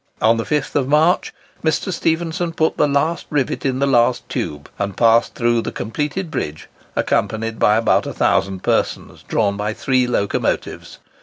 On the 5th March, Mr. Stephenson put the last rivet in the last tube, and passed through the completed bridge, accompanied by about a thousand persons, drawn by three locomotives.